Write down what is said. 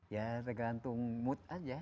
ya tergantung mood aja